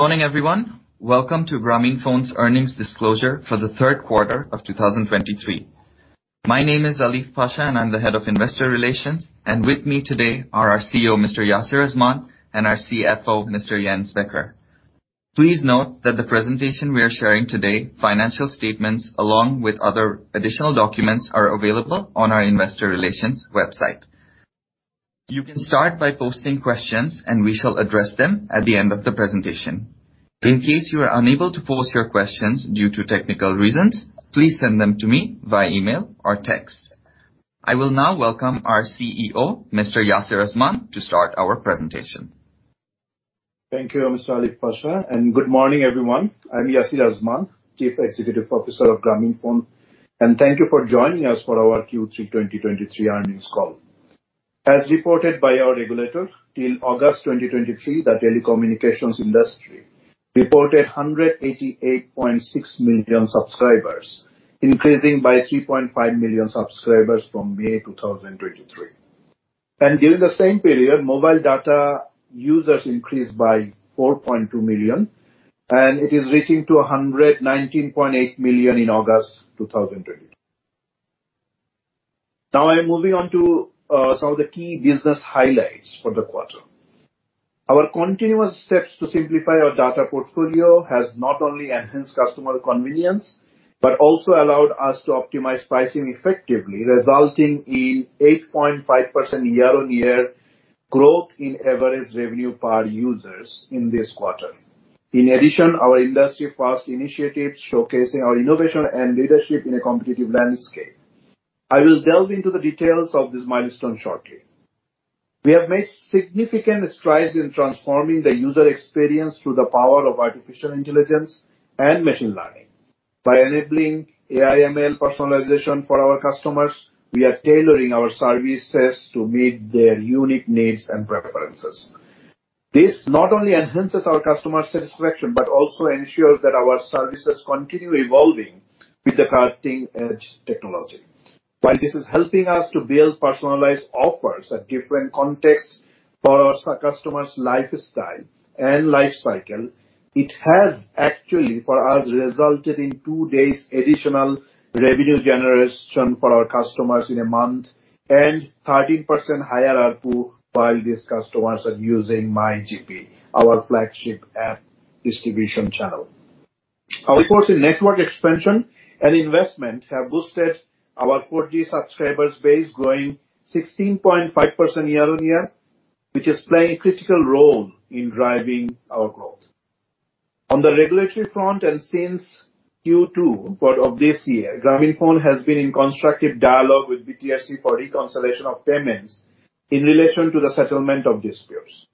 Morning, everyone. Welcome to Grameenphone's earnings disclosure for the third quarter of 2023. My name is Alif Pasha, and I'm the Head of Investor Relations, and with me today are our CEO, Mr. Yasir Azman, and our CFO, Mr. Jens Becker. Please note that the presentation we are sharing today, financial statements, along with other additional documents, are available on our investor relations website. You can start by posting questions, and we shall address them at the end of the presentation. In case you are unable to pose your questions due to technical reasons, please send them to me via email or text. I will now welcome our CEO, Mr. Yasir Azman, to start our presentation. Thank you, Mr. Aleef Pasha, and good morning, everyone. I'm Yasir Azman, Chief Executive Officer of Grameenphone, and thank you for joining us for our Q3 2023 earnings call. As reported by our regulator, till August 2023, the telecommunications industry reported 188.6 million subscribers, increasing by 3.5 million subscribers from May 2023. During the same period, mobile data users increased by 4.2 million, and it is reaching to 119.8 million in August 2023. Now I'm moving on to, some of the key business highlights for the quarter. Our continuous steps to simplify our data portfolio has not only enhanced customer convenience, but also allowed us to optimize pricing effectively, resulting in 8.5% year-on-year growth in average revenue per users in this quarter. In addition, our industry-first initiatives showcasing our innovation and leadership in a competitive landscape. I will delve into the details of this milestone shortly. We have made significant strides in transforming the user experience through the power of artificial intelligence and machine learning. By enabling AI/ML personalization for our customers, we are tailoring our services to meet their unique needs and preferences. This not only enhances our customer satisfaction, but also ensures that our services continue evolving with the cutting-edge technology. While this is helping us to build personalized offers at different contexts for our customers' lifestyle and life cycle, it has actually, for us, resulted in 2 days additional revenue generation for our customers in a month and 13% higher ARPU while these customers are using MyGP, our flagship app distribution channel. Our course in network expansion and investment have boosted our 4G subscribers base, growing 16.5% year-on-year, which is playing a critical role in driving our growth. On the regulatory front, and since Q2 FY of this year, Grameenphone has been in constructive dialogue with BTRC for reconciliation of payments in relation to the settlement of disputes.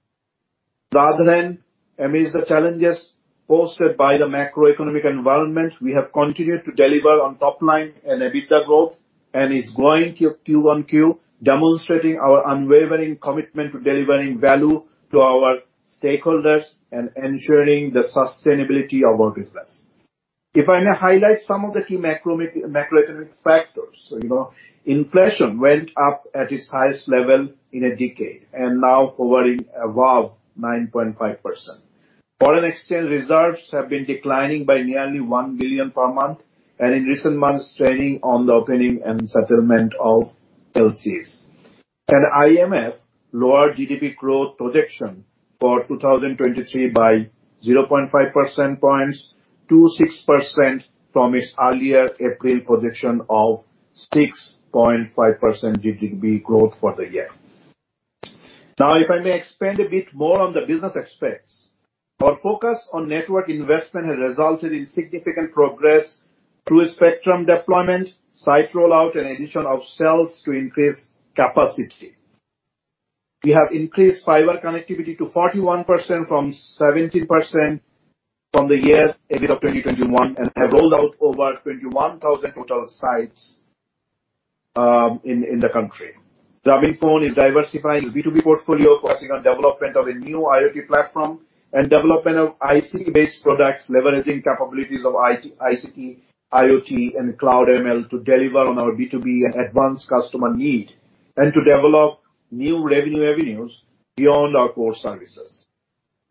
Rather than amidst the challenges posed by the macroeconomic environment, we have continued to deliver on top line and EBITDA growth and is growing Q-on-Q, demonstrating our unwavering commitment to delivering value to our stakeholders and ensuring the sustainability of our business. If I may highlight some of the key macroeconomic factors, so you know, inflation went up at its highest level in a decade and now hovering above 9.5%. Foreign exchange reserves have been declining by nearly $1 billion per month, and in recent months, trading on the opening and settlement of LCs. The IMF lowered GDP growth projection for 2023 by 0.5 percentage points to 6% from its earlier April projection of 6.5% GDP growth for the year. Now, if I may expand a bit more on the business aspects. Our focus on network investment has resulted in significant progress through a spectrum deployment, site rollout, and addition of cells to increase capacity. We have increased fiber connectivity to 41% from 17% from the year end of 2021, and have rolled out over 21,000 total sites in the country. Grameenphone is diversifying B2B portfolio, focusing on development of a new IoT platform and development of ICT-based products, leveraging capabilities of IT, ICT, IoT, and cloud ML to deliver on our B2B and advanced customer need, and to develop new revenue avenues beyond our core services.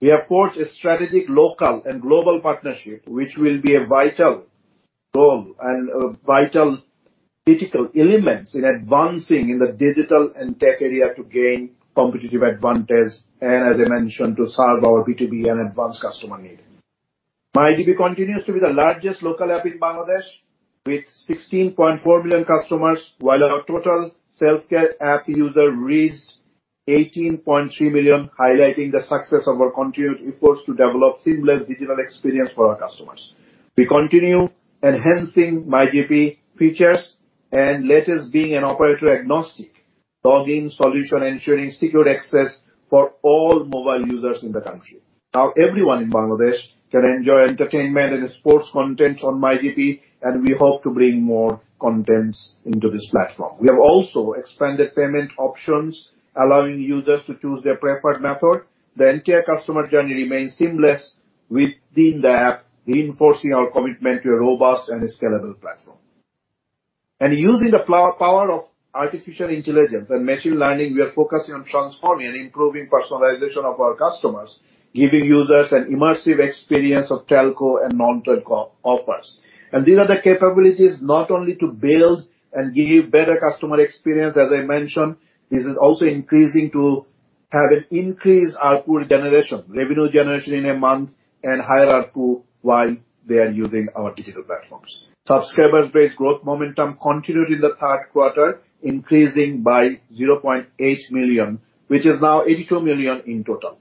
We have forged a strategic, local and global partnership, which will be a vital role and a vital critical elements in advancing in the digital and tech area to gain competitive advantage, and as I mentioned, to serve our B2B and advanced customer needs. MyGP continues to be the largest local app in Bangladesh, with 16.4 million customers, while our total self-care app user reached 18.3 million, highlighting the success of our continued efforts to develop seamless digital experience for our customers. We continue enhancing MyGP features and latest being an operator-agnostic login solution, ensuring secure access for all mobile users in the country. Now, everyone in Bangladesh can enjoy entertainment and sports content on MyGP, and we hope to bring more contents into this platform. We have also expanded payment options, allowing users to choose their preferred method. The entire customer journey remains seamless within the app, reinforcing our commitment to a robust and scalable platform. Using the power of artificial intelligence and machine learning, we are focusing on transforming and improving personalization of our customers, giving users an immersive experience of telco and non-telco offers. And these are the capabilities not only to build and give better customer experience, as I mentioned, this is also increasing to have an increased ARPU generation, revenue generation in a month, and higher ARPU while they are using our digital platforms. Subscriber base growth momentum continued in the third quarter, increasing by 0.8 million, which is now 82 million in total.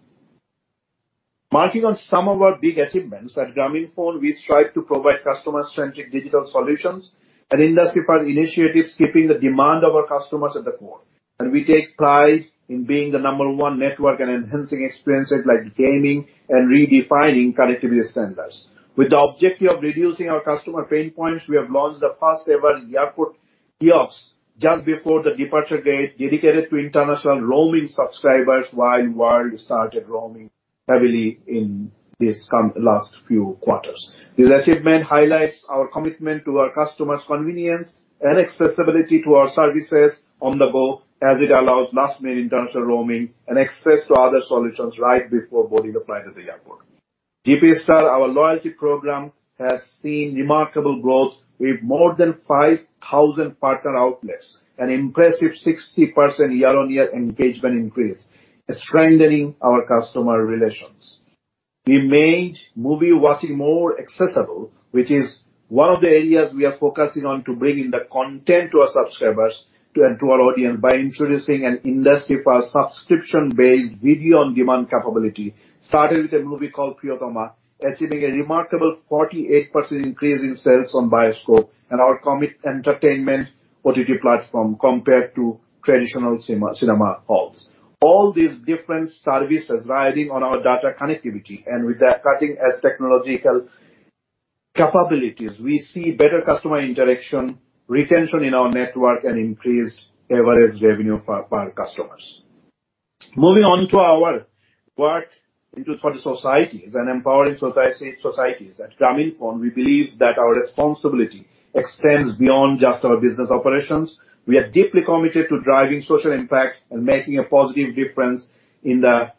Marking on some of our big achievements, at Grameenphone, we strive to provide customer-centric digital solutions and industry-first initiatives, keeping the demand of our customers at the core, and we take pride in being the number one network and enhancing experiences like gaming and redefining connectivity standards. With the objective of reducing our customer pain points, we have launched the first-ever airport kiosk just before the departure gate, dedicated to international roaming subscribers while world started roaming heavily in this last few quarters. This achievement highlights our commitment to our customers' convenience and accessibility to our services on the go, as it allows last-minute international roaming and access to other solutions right before boarding the plane at the airport. GP Star, our loyalty program, has seen remarkable growth with more than 5,000 partner outlets, an impressive 60% year-on-year engagement increase, strengthening our customer relations. We made movie watching more accessible, which is one of the areas we are focusing on to bring in the content to our subscribers and to our audience, by introducing an industry-first subscription-based video-on-demand capability, starting with a movie called Priyotoma, achieving a remarkable 48% increase in sales on Bioscope, and our committed entertainment OTT platform, compared to traditional cinema halls. All these different services riding on our data connectivity, and with the cutting-edge technological capabilities, we see better customer interaction, retention in our network, and increased average revenue per customers. Moving on to our work in and for the societies and empowering societies. At Grameenphone, we believe that our responsibility extends beyond just our business operations. We are deeply committed to driving social impact and making a positive difference in the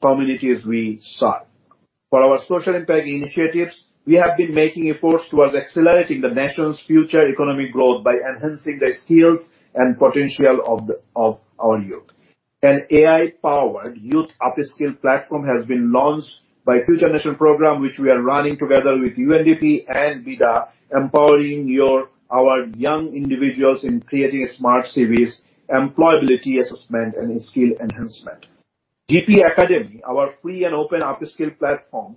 communities we serve. For our social impact initiatives, we have been making efforts towards accelerating the nation's future economic growth by enhancing the skills and potential of the, of our youth. An AI-powered youth upskill platform has been launched by FutureNation program, which we are running together with UNDP and BIDA, empowering your- our young individuals in creating smart CVs, employability assessment, and skill enhancement. GP Academy, our free and open upskill platform,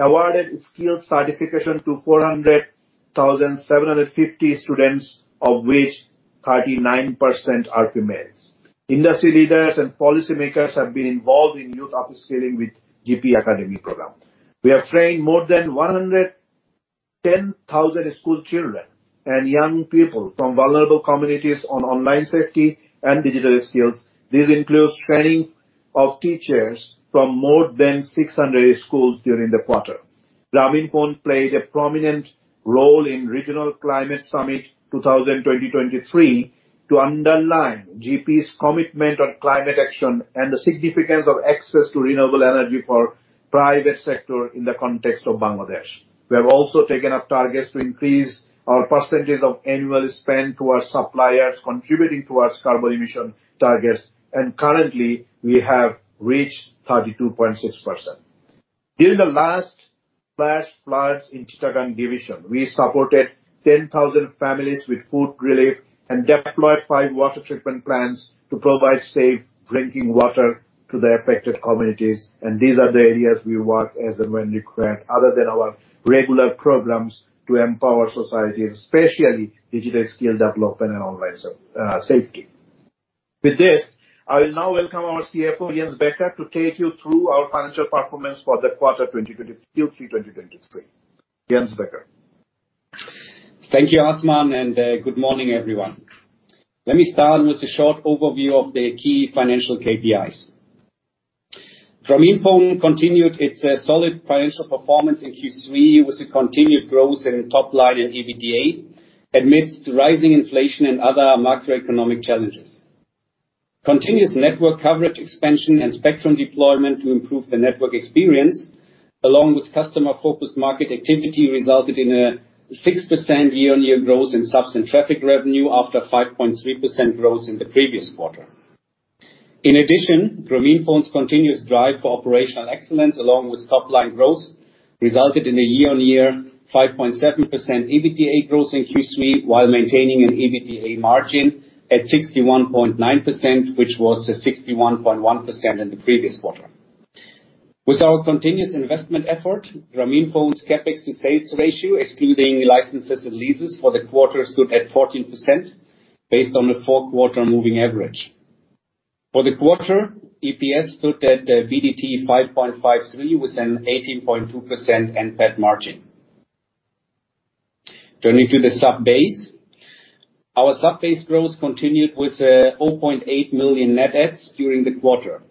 awarded skill certification to 400,750 students, of which 39% are females. Industry leaders and policymakers have been involved in youth upskilling with GP Academy program. We have trained more than 110,000 school children and young people from vulnerable communities on online safety and digital skills. This includes training of teachers from more than 600 schools during the quarter. Grameenphone played a prominent role in Regional Climate Summit 2023 to underline GP's commitment on climate action and the significance of access to renewable energy for private sector in the context of Bangladesh. We have also taken up targets to increase our percentage of annual spend to our suppliers, contributing towards carbon emission targets, and currently, we have reached 32.6%. During the last flash floods in Chittagong Division, we supported 10,000 families with food relief and deployed five water treatment plants to provide safe drinking water to the affected communities, and these are the areas we work as and when required, other than our regular programs to empower society, especially digital skill development and online safety. With this, I will now welcome our CFO, Jens Becker, to take you through our financial performance for the quarter Q3 2023. Jens Becker. Thank you, Azman, and good morning, everyone. Let me start with a short overview of the key financial KPIs. Grameenphone continued its solid financial performance in Q3 with a continued growth in top line and EBITDA amidst rising inflation and other macroeconomic challenges. Continuous network coverage, expansion and spectrum deployment to improve the network experience, along with customer-focused market activity, resulted in a 6% year-on-year growth in subs and traffic revenue, after 5.3% growth in the previous quarter. In addition, Grameenphone's continuous drive for operational excellence, along with top line growth, resulted in a year-on-year 5.7% EBITDA growth in Q3, while maintaining an EBITDA margin at 61.9%, which was a 61.1% in the previous quarter. With our continuous investment effort, Grameenphone's CapEx to sales ratio, excluding licenses and leases for the quarter, stood at 14% based on the four-quarter moving average. For the quarter, EPS stood at BDT 5.53, with an 18.2% NPAT margin. Turning to the sub base. Our sub base growth continued with 0.8 million net adds during the quarter.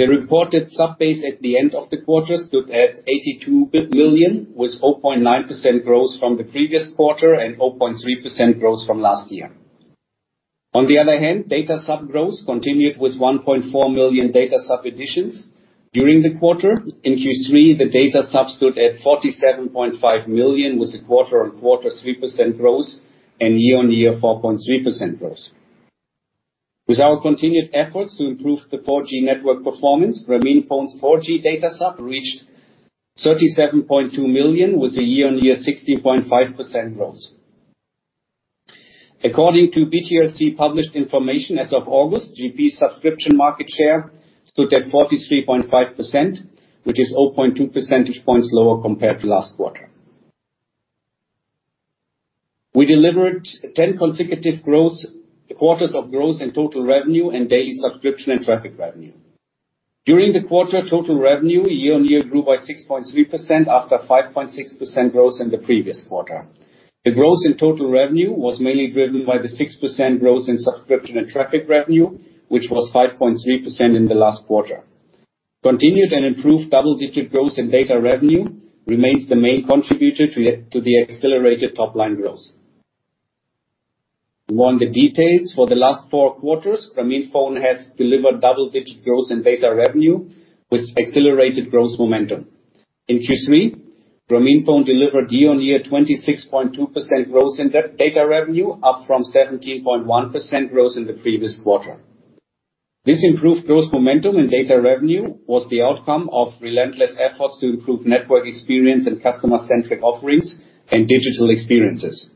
The reported subbase at the end of the quarter stood at 82 billion, with 0.9% growth from the previous quarter and 0.3% growth from last year. On the other hand, data sub growth continued with 1.4 million data sub additions. During the quarter, in Q3, the data subs stood at 47.5 million, with a quarter-on-quarter 3% growth and year-on-year 4.3% growth. With our continued efforts to improve the 4G network performance, Grameenphone's 4G data sub reached 37.2 million, with a year-on-year 16.5% growth. According to BTRC published information, as of August, GP's subscription market share stood at 43.5%, which is 0.2 percentage points lower compared to last quarter. We delivered 10 consecutive quarters of growth in total revenue and daily subscription and traffic revenue. During the quarter, total revenue year-on-year grew by 6.3%, after 5.6% growth in the previous quarter. The growth in total revenue was mainly driven by the 6% growth in subscription and traffic revenue, which was 5.3% in the last quarter. Continued and improved double-digit growth in data revenue remains the main contributor to the accelerated top-line growth. Over the last four quarters, Grameenphone has delivered double-digit growth in data revenue with accelerated growth momentum. In Q3, Grameenphone delivered year-on-year 26.2% growth in data revenue, up from 17.1% growth in the previous quarter. This improved growth momentum in data revenue was the outcome of relentless efforts to improve network experience and customer-centric offerings and digital experiences.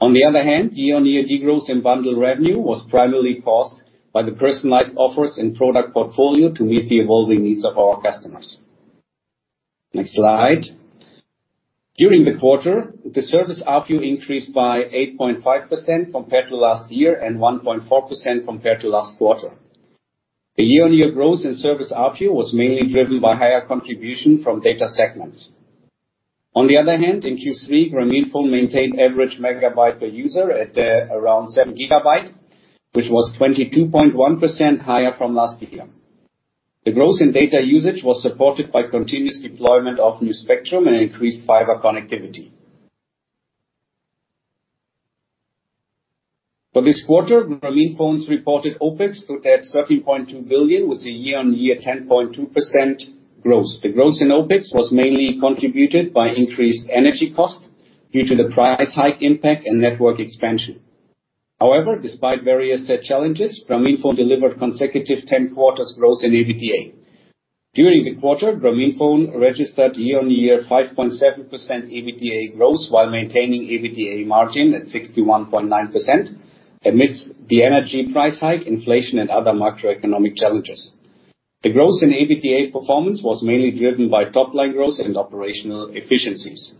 On the other hand, year-on-year degrowth in bundle revenue was primarily caused by the personalized offers and product portfolio to meet the evolving needs of our customers. Next slide. During the quarter, the service ARPU increased by 8.5% compared to last year and 1.4% compared to last quarter. The year-on-year growth in service ARPU was mainly driven by higher contribution from data segments. On the other hand, in Q3, Grameenphone maintained average megabyte per user at around 7 gigabytes, which was 22.1% higher from last year. The growth in data usage was supported by continuous deployment of new spectrum and increased fiber connectivity. For this quarter, Grameenphone's reported OpEx stood at BDT 13.2 billion, with a year-on-year 10.2% growth. The growth in OpEx was mainly contributed by increased energy costs due to the price hike impact and network expansion. However, despite various set challenges, Grameenphone delivered consecutive 10 quarters growth in EBITDA. During the quarter, Grameenphone registered year-on-year 5.7% EBITDA growth, while maintaining EBITDA margin at 61.9%, amidst the energy price hike, inflation and other macroeconomic challenges. The growth in EBITDA performance was mainly driven by top-line growth and operational efficiencies.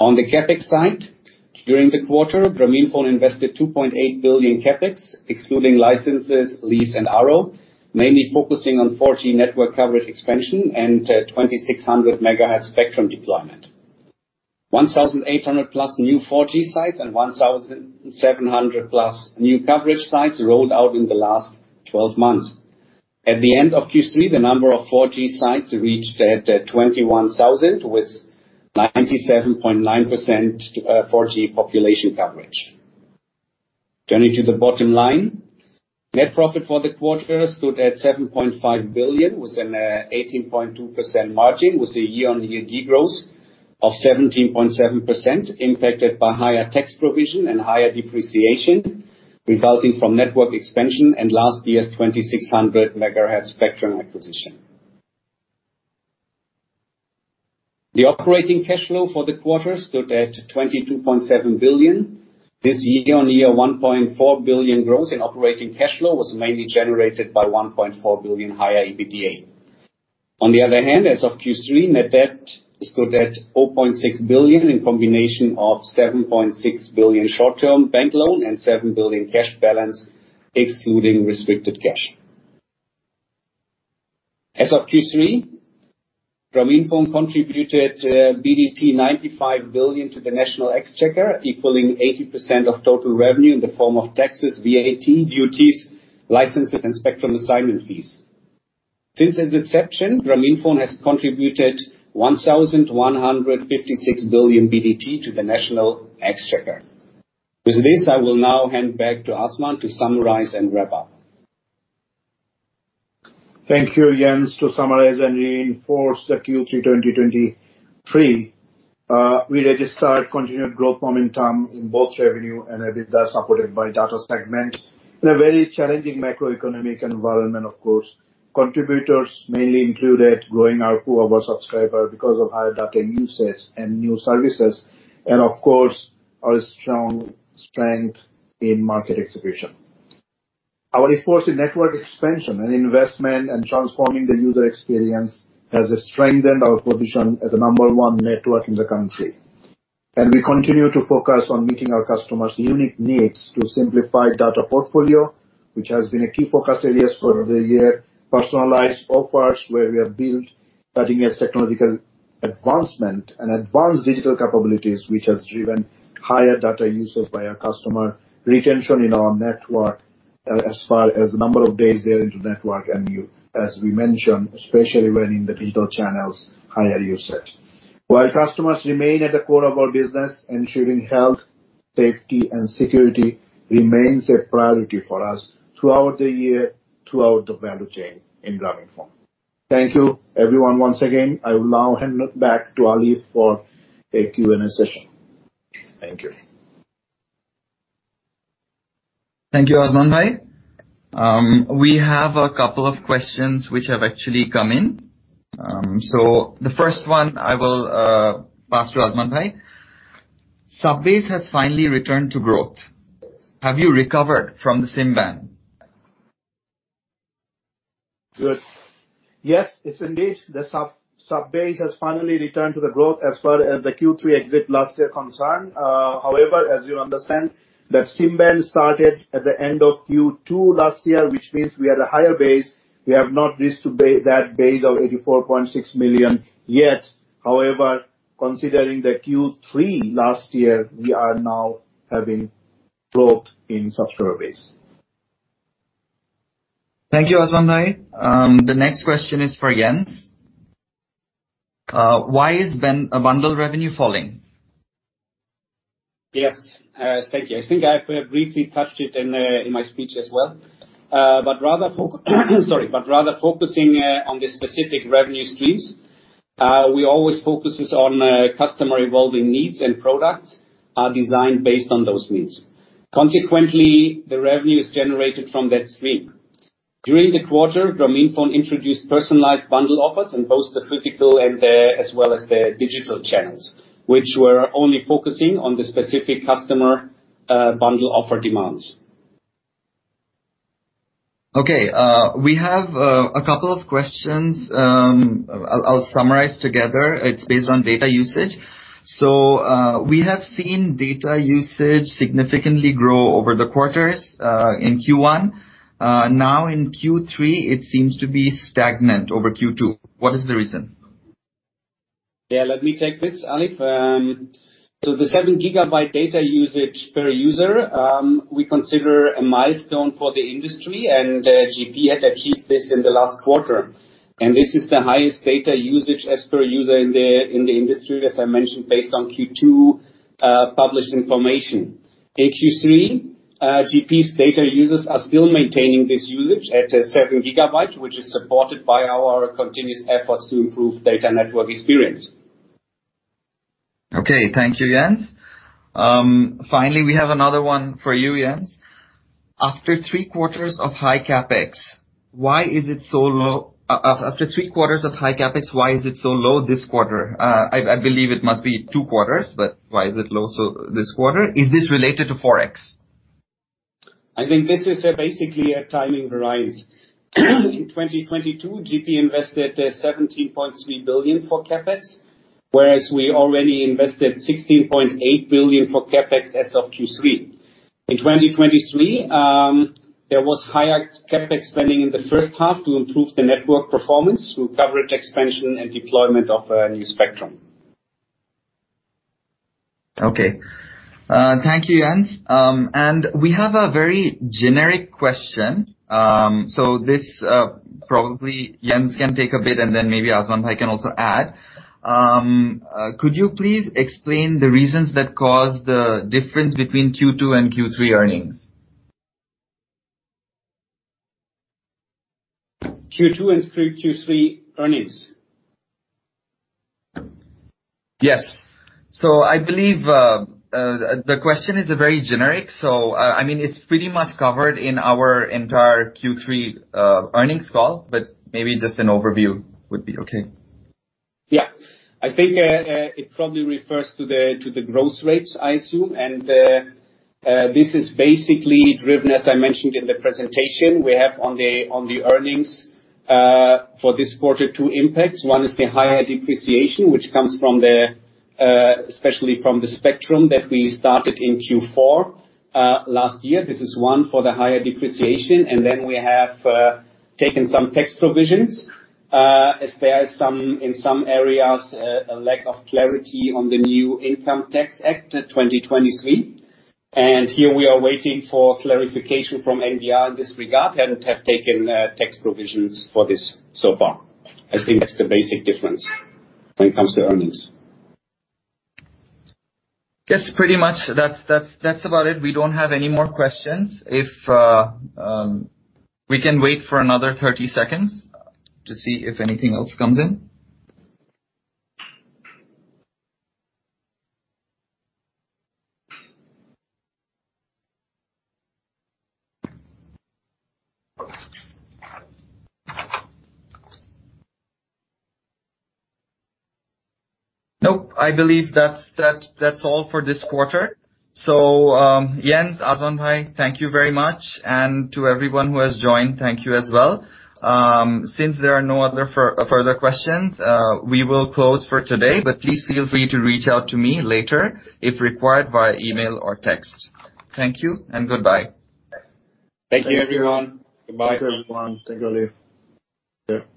On the CapEx side, during the quarter, Grameenphone invested BDT 2.8 billion CapEx, excluding licenses, lease and RoU, mainly focusing on 4G network coverage expansion and 2,600 megahertz spectrum deployment. 1,800+ new 4G sites and 1,700+ new coverage sites rolled out in the last 12 months. At the end of Q3, the number of 4G sites reached 21,000, with 97.9% 4G population coverage. Turning to the bottom line, net profit for the quarter stood at BDT 7.5 billion, with an 18.2% margin, with a year-on-year degrowth of 17.7%, impacted by higher tax provision and higher depreciation, resulting from network expansion and last year's 2,600 megahertz spectrum acquisition. The operating cash flow for the quarter stood at BDT 22.7 billion. This year-on-year 1.4 billion growth in operating cash flow was mainly generated by 1.4 billion higher EBITDA. On the other hand, as of Q3, net debt stood at BDT 4.6 billion, in combination of BDT 7.6 billion short-term bank loan and BDT 7 billion cash balance, excluding restricted cash. As of Q3, Grameenphone contributed BDT 95 billion to the national exchequer, equaling 80% of total revenue in the form of taxes, VAT, duties, licenses and spectrum assignment fees. Since its inception, Grameenphone has contributed BDT 1,156 billion to the national exchequer. With this, I will now hand back to Azman to summarize and wrap up. Thank you, Jens. To summarize and reinforce the Q3 2023, we registered continued growth momentum in both revenue and EBITDA, supported by data segment, in a very challenging macroeconomic environment, of course. Contributors mainly included growing our pool of our subscriber because of higher data usage and new services, and of course, our strong strength in market execution. Our efforts in network expansion and investment and transforming the user experience has strengthened our position as the number one network in the country. And we continue to focus on meeting our customers' unique needs to simplify data portfolio, which has been a key focus areas for the year, personalized offers, where we have built-... Cutting edge technological advancement and advanced digital capabilities, which has driven higher data usage by our customer, retention in our network, as far as number of days they are into network, and you, as we mentioned, especially when in the digital channels, higher usage. While customers remain at the core of our business, ensuring health, safety, and security remains a priority for us throughout the year, throughout the value chain in Grameenphone. Thank you, everyone, once again. I will now hand it back to Alif for a Q&A session. Thank you. Thank you, Osman Hai. We have a couple of questions which have actually come in. So the first one I will pass to Osman Hai. Subscriber base has finally returned to growth. Have you recovered from the SIM ban? Good. Yes, it's indeed the subscriber base has finally returned to the growth as far as the Q3 exit last year concerned. However, as you understand, that SIM ban started at the end of Q2 last year, which means we had a higher base. We have not reached to that base of 84.6 million yet. However, considering the Q3 last year, we are now having growth in subscriber base. Thank you, Osman Hai. The next question is for Jens. Why is bundle revenue falling? Yes, thank you. I think I've briefly touched it in my speech as well. But rather focusing on the specific revenue streams, we always focuses on customer evolving needs, and products are designed based on those needs. Consequently, the revenue is generated from that stream. During the quarter, Grameenphone introduced personalized bundle offers in both the physical and the, as well as the digital channels, which were only focusing on the specific customer bundle offer demands. Okay, we have a couple of questions. I'll summarize together. It's based on data usage. So, we have seen data usage significantly grow over the quarters in Q1. Now, in Q3, it seems to be stagnant over Q2. What is the reason? Yeah, let me take this, Alif. So the 7 GB data usage per user, we consider a milestone for the industry, and GP had achieved this in the last quarter. This is the highest data usage as per user in the industry, as I mentioned, based on Q2 published information. In Q3, GP's data users are still maintaining this usage at 7 GB, which is supported by our continuous efforts to improve data network experience. Okay. Thank you, Jens. Finally, we have another one for you, Jens. After three quarters of high CapEx, why is it so low? After three quarters of high CapEx, why is it so low this quarter? I believe it must be two quarters, but why is it low so this quarter? Is this related to forex? I think this is basically a timing variance. In 2022, GP invested BDT 17.3 billion for CapEx, whereas we already invested BDT 16.8 billion for CapEx as of Q3. In 2023, there was higher CapEx spending in the first half to improve the network performance through coverage, expansion, and deployment of a new spectrum. Okay. Thank you, Jens. And we have a very generic question. So this, probably Jens can take a bit, and then maybe Osman Hai can also add. Could you please explain the reasons that caused the difference between Q2 and Q3 earnings? Q2 and Q3 earnings? Yes. So I believe, the question is a very generic, so, I mean, it's pretty much covered in our entire Q3 earnings call, but maybe just an overview would be okay. Yeah. I think it probably refers to the growth rates, I assume, and this is basically driven, as I mentioned in the presentation, we have on the earnings for this quarter, two impacts. One is the higher depreciation, which comes from especially from the spectrum that we started in Q4 last year. This is one for the higher depreciation. And then we have taken some tax provisions, as there are some in some areas a lack of clarity on the new Income Tax Act of 2023, and here we are waiting for clarification from NBR in this regard and have taken tax provisions for this so far. I think that's the basic difference when it comes to earnings. Yes, pretty much. That's about it. We don't have any more questions. If we can wait for another 30 seconds to see if anything else comes in. Nope, I believe that's all for this quarter. So, Jens, Osman Hai, thank you very much. And to everyone who has joined, thank you as well. Since there are no other further questions, we will close for today, but please feel free to reach out to me later if required, via email or text. Thank you and goodbye. Thank you, everyone. Goodbye. Thank you, everyone. Thank you, Alif. Sure.